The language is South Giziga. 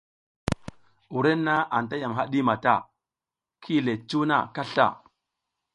Wurenna anta yam haɗi mata, ki yi le cuw na kasla.